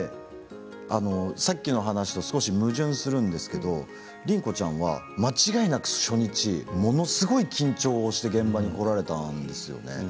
さっきの話と少し矛盾するんですけど凛子ちゃんは間違いなく初日ものすごい緊張して現場に来られたんですね。